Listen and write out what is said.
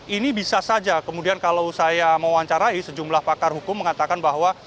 ini bisa saja kemudian kalau saya mewawancarai sejumlah pakar hukum mengatakan bahwa